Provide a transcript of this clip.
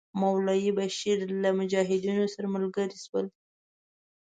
مولوی بشیر له مجاهدینو سره ملګري شول.